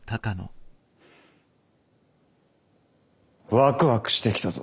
ワクワクしてきたぞ。